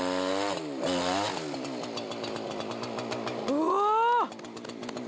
うわ！